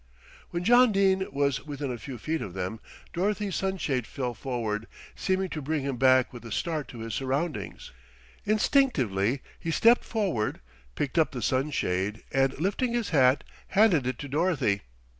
When John Dene was within a few feet of them, Dorothy's sunshade fell forward, seeming to bring him back with a start to his surroundings. Instinctively he stepped forward, picked up the sunshade and lifting his hat handed it to Dorothy.